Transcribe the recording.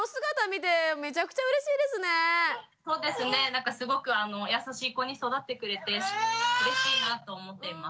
そうですねなんかすごく優しい子に育ってくれてうれしいなと思っています。